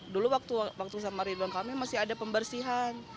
dulu waktu sama ridwan kamil masih ada pembersihan